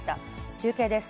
中継です。